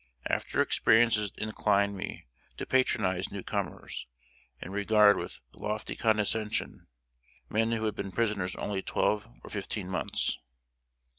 After experiences inclined me to patronize new comers, and regard with lofty condescension, men who had been prisoners only twelve or fifteen months!